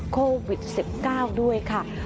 โควิด๑๙ด้วยค่ะ